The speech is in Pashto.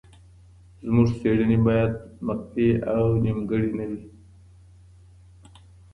زموږ څېړني باید مقطعي او نیمګړي نه وي.